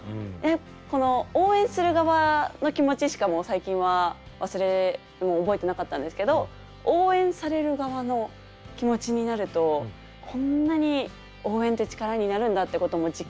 この応援する側の気持ちしか最近はもう覚えてなかったんですけど応援される側の気持ちになるとこんなに応援って力になるんだってことも実感できたので。